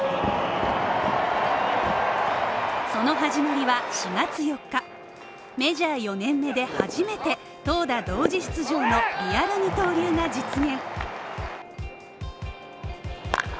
その始まりは４月４日、メジャー４年目で初めて投打同時出場のリアル二刀流が実現